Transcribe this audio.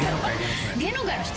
芸能界の人？